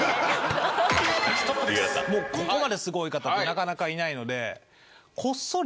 ここまですごい方ってなかなかいないので。